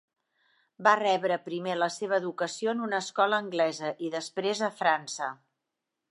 Va rebre primer la seva educació en una escola anglesa i després a França.